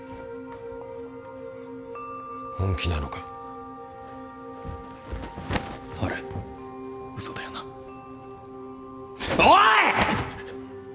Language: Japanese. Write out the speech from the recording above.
本気なのかハル嘘だよなおい！